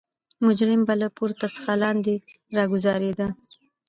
مجرم به له پورته څخه لاندې راګوزار کېده.